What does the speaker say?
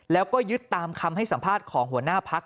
แล้วก็ยึดตามคำให้สัมภาษณ์ของหัวหน้าพัก